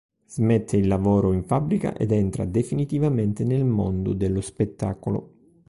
Smette il lavoro in fabbrica ed entra definitivamente nel mondo dello spettacolo.